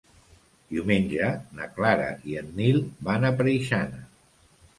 Diumenge na Clara i en Nil van a Preixana.